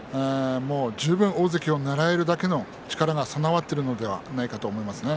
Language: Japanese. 十分、大関をねらえるだけの力が備わっているのではないか